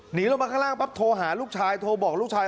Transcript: หนีลงมาข้างล่างปั๊บโทรหาลูกชายโทรบอกลูกชาย